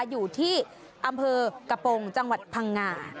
อยู่ที่อำเภอกระโปรงจังหวัดพังงา